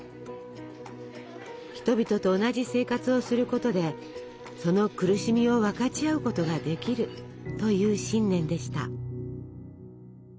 人々と同じ生活をすることでその苦しみを分かち合うことができるという信念でした。